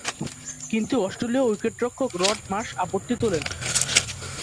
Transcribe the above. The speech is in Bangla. কিন্তু অস্ট্রেলীয় উইকেট-রক্ষক রড মার্শ আপত্তি তোলেন।